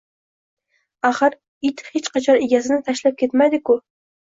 Axir, it hech qachon egasini tashlab ketmaydi-g‘u